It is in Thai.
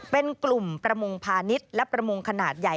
เป็นกลุ่มประมงพาณิชย์และประมงขนาดใหญ่